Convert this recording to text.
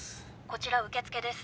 こちら受付です。